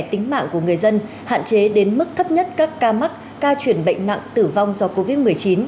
tính mạng của người dân hạn chế đến mức thấp nhất các ca mắc ca chuyển bệnh nặng tử vong do covid một mươi chín